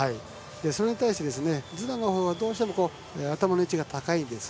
それに対してズダノフはどうしても頭の位置が高いです。